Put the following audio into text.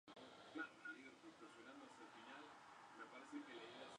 Blanco nació en Orense, Galicia, y estudió con los Jesuitas en Monterrey.